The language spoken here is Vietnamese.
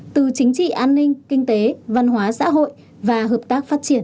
từ chính trị an ninh kinh tế văn hóa xã hội và hợp tác phát triển